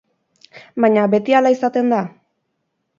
Baina beti hala izaten da?